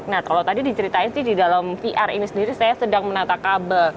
nah kalau tadi diceritain sih di dalam vr ini sendiri saya sedang menata kabel